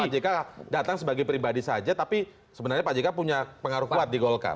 pak j k bisa dilihat sebagai pribadi saja tapi sebenarnya pak j k punya pengaruh kuat di golkar